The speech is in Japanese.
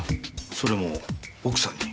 それも奥さんに。